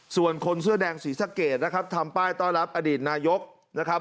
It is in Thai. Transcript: ส่วนคนเสื้อแดงศรีสะเกดนะครับทำป้ายต้อนรับอดีตนายกนะครับ